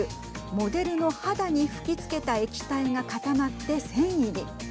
モデルの肌に吹きつけた液体が固まって繊維に。